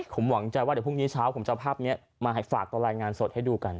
ผมหวังใจว่าเดี๋ยวพรุ่งนี้เช้าผมจะเอาภาพนี้มาฝากตอนรายงานสดให้ดูกัน